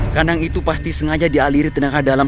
kandang itu pasti sengaja dialiri tenaga dalam